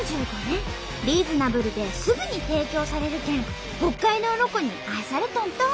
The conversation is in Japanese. リーズナブルですぐに提供されるけん北海道ロコに愛されとんと！